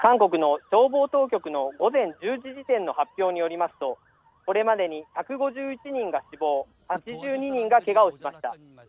韓国の消防当局の１０時時点の発表によりますと、これまで１５１人が死亡、８２人がけがをしました。